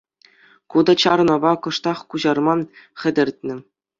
Ку та чарӑнӑва кӑштах куҫарма хӗтӗртнӗ.